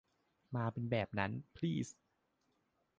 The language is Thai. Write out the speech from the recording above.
มาเป็นแบบนั้น พลีส